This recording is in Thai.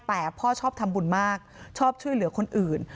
แต่พ่อชอบทำบุญมากชอบช่วยเหลือคนอื่น